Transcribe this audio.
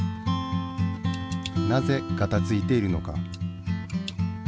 なぜガタついているのか？